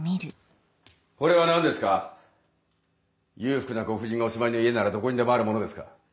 裕福なご婦人がお住まいの家ならどこにでもあるものですか？